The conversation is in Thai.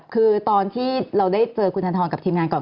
คือตอนที่เราได้เจอคุณธนทรกับทีมงานก่อน